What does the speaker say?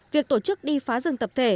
việc tổ chức đi phá rừng tập thể